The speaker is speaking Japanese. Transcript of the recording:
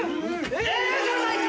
ええじゃないか！」